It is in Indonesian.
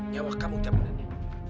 nyawa kamu tidak akan berhenti